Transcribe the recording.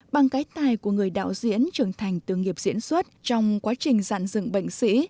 bằng cái tài của người đạo diễn trưởng thành từ nghiệp diễn xuất trong quá trình giàn dựng bệnh sĩ